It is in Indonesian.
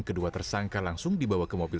kedua tersangka langsung dibawa ke mobil